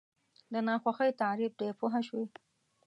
د ناخوښۍ تعریف دی پوه شوې!.